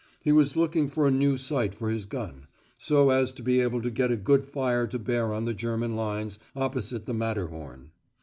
He was looking for a new site for his gun, so as to be able to get a good fire to bear on the German lines opposite the Matterhorn.